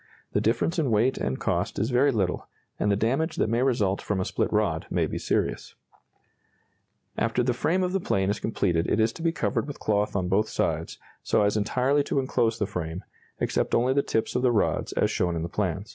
The difference in weight and cost is very little, and the damage that may result from a split rod may be serious. [Illustration: Plan and details of construction of La Demoiselle.] After the frame of the plane is completed it is to be covered with cloth on both sides, so as entirely to enclose the frame, except only the tips of the rods, as shown in the plans.